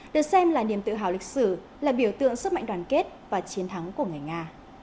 được xem là niềm tự hào lịch sử là biểu tượng sức mạnh đoàn kết và chiến thắng của người nga